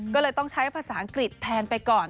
ก็เลยต้องใช้ภาษาอังกฤษแทนไปก่อน